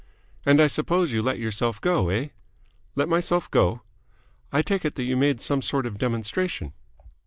"And I suppose you let yourself go, eh?" "Let myself go?" "I take it that you made some sort of demonstration?"